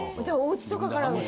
じゃあおうちとかから。